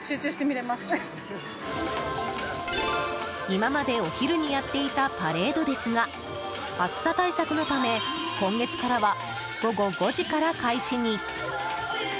今までお昼にやっていたパレードですが暑さ対策のため今月からは午後５時から開始に。